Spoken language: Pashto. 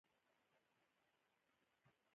وسله د پرمختګ دښمن ده